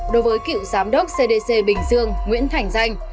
đối với cựu giám đốc cdc bình dương nguyễn thành danh